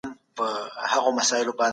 موږ باید تولیدي عوامل په سمه توګه وکاروو.